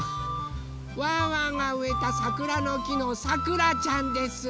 ワンワンがうえたさくらのきのさくらちゃんです。